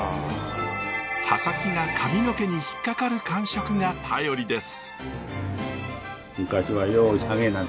刃先が髪の毛にひっかかる感触が頼りです。